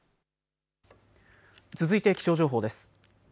続いて気象情報です。